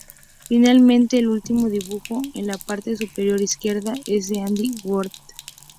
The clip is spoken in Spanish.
Finalmente, el último dibujo en la parte superior izquierda es de Andy Warhol.